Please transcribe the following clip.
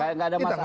kita harus gitu